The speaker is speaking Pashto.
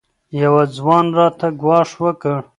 یوه ځوان راته ګواښ وکړ